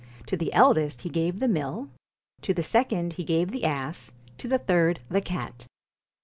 To the eldest he gave the mill ; to the second he gave the ass; to the third the cat.